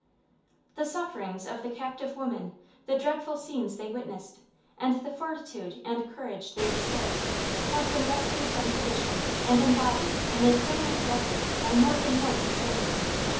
The sufferings of the captive women, the dreadful scenes they witnessed, and the fortitude and courage they displayed, have been rescued from tradition and embodied in a permanent record by more than one historian.